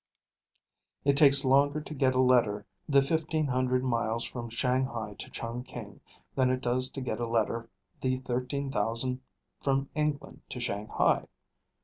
It takes longer to get a letter the fifteen hundred miles from Shanghai to Chungking than it does to get a letter the thirteen thousand from England to Shanghai.